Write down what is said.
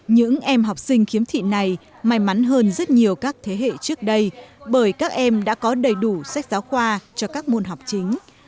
những em học sinh khiếm thị này may mắn hơn rất nhiều các thế hệ trước đây bởi các em đã có đầy đủ sách giáo khoa cho các môn học chính